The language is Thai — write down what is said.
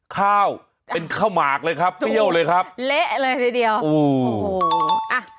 ข้าวเป็นข้าวหมากเลยครับเปรี้ยวเลยครับเละเลยทีเดียวโอ้โหอ่ะ